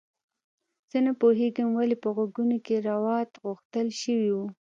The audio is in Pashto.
زه نه پوهیږم ولې په غوږونو کې روات غوښتل شوي وو